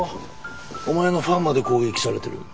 お前のファンまで攻撃されてる。